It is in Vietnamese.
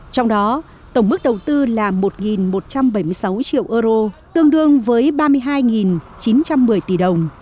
trong đó tổng mức đầu tư là một một trăm bảy mươi sáu triệu euro tương đương với ba mươi hai chín trăm một mươi tỷ đồng